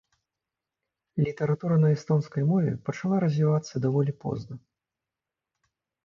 Літаратура на эстонскай мове пачала развівацца даволі позна.